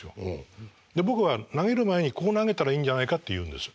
僕は投げる前にこう投げたらいいんじゃないかって言うんです。